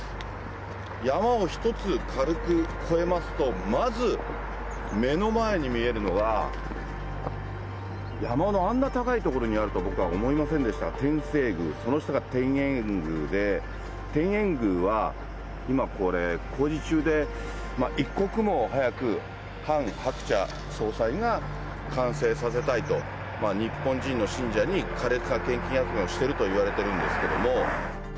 山を１つ軽く越えますと、まず目の前に見えるのは、山のあんな所にあると僕は思いませんでした、天正宮、その下が天苑宮で、天苑宮は、今これ、工事中で、一刻も早く、ハン・ハクチャ総裁が完成させたいと、日本人の信者にかれつな献金集めをしているといわれているんです